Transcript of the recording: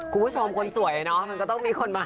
คุณผู้ชมคนสวยเนาะมันก็ต้องมีคนมา